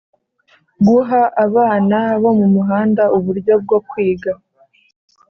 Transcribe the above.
Guha abana bo muhanda uburyo bwo kwiga